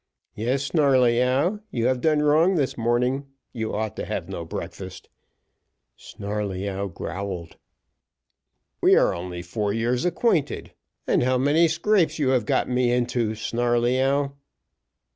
"Yes, Snarleyyow, you have done wrong this morning you ought to have no breakfast." Snarleyyow growled. "We are only four years acquainted, and how many scrapes you have got me into, Snarleyyow!"